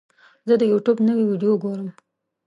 زه د یوټیوب نوې ویډیو ګورم.